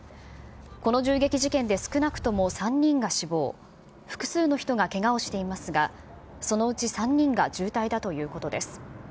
この銃撃事件で少なくとも３人が死亡、複数の人がけがをしていますが、そのうち３人が重体だということです。